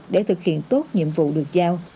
để thực hiện tốt nhiệm vụ được giao